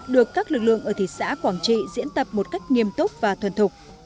được các lực lượng ở thị xã quảng trị diễn tập một cách nghiêm túc và thuần thục